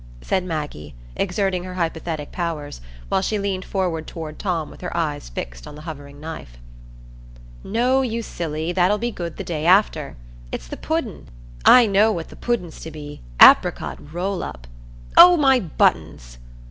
said Maggie, exerting her hypothetic powers, while she leaned forward toward Tom with her eyes fixed on the hovering knife. "No, you silly, that'll be good the day after. It's the pudden. I know what the pudden's to be,—apricot roll up—O my buttons!"